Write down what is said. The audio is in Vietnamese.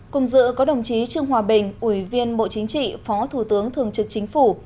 cùng dự có đồng chí trương hòa bình ủy viên bộ chính trị phó thủ tướng thường trực chính phủ